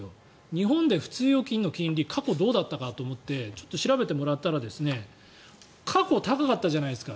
日本で普通預金の金利過去どうだったかと思ってちょっと調べてもらったら過去、高かったじゃないですか。